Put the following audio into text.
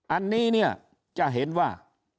อันนี้เนี่ยจะเห็นว่า